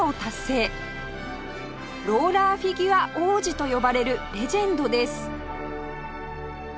ローラーフィギュア王子と呼ばれるレジェンドです